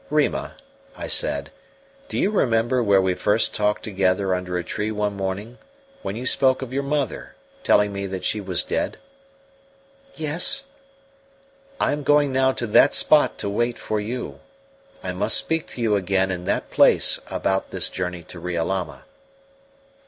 "Rima," I said, "do you remember where we first talked together under a tree one morning, when you spoke of your mother, telling me that she was dead?" "Yes." "I am going now to that spot to wait for you. I must speak to you again in that place about this journey to Riolama."